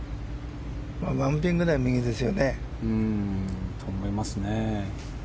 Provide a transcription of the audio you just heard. １ピンくらい右ですよね。